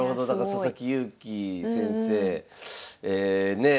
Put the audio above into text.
佐々木勇気先生ねえ